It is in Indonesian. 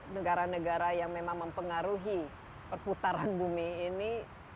negara negara yang memang mempengaruhi perputaran bumi ini